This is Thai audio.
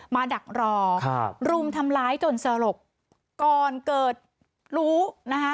มาดักหลอกค่ะรูมทำล้ายตนศลกก่อนเกิดรู้นะฮะ